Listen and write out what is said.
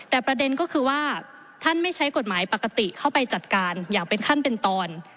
แต่ประเด็นก็คือว่าท่านไม่ใช้กฎหมายปกติเข้าไปจัดการอย่างเป็นขั้นเป็นตอน